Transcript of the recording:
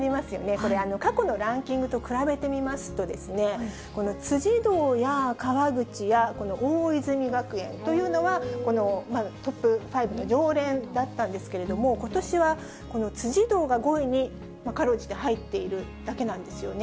これ、過去のランキングと比べてみますと、この辻堂や川口やこの大泉学園というのは、このトップ５の常連だったんですけれども、ことしは、この辻堂が５位にかろうじて入っているだけなんですよね。